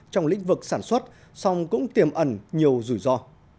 trong lĩnh vực sản xuất song cũng tiềm ẩn nhiều rủi ro